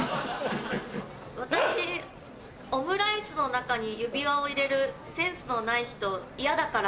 私オムライスの中に指輪を入れるセンスのない人嫌だから。